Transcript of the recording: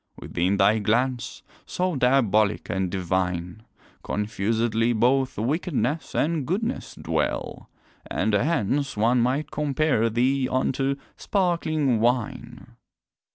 Within thy glance, so diabolic and divine, Confusedly both wickedness and goodness dwell, And hence one might compare thee unto sparkling wine.